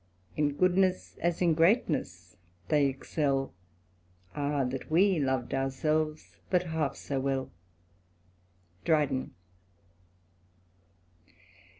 In goodness as in greatness they excel : Ah 1 that we lov'd ourselves but half so well." DrydeK.